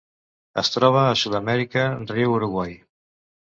Es troba a Sud-amèrica: riu Uruguai.